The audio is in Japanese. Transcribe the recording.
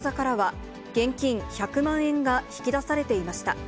その後、女性の口座からは、現金１００万円が引き出されていました。